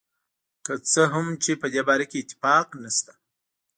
که څه هم چې په دې باره کې اتفاق نشته.